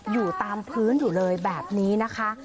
อยู่ตามพื้นอยู่เลยแบบนี้นะคะ